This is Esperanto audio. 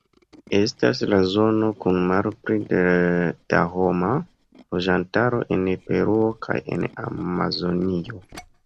Estas la zono kun malpli da homa loĝantaro en Peruo kaj en Amazonio.